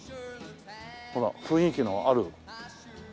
ほら雰囲気のある。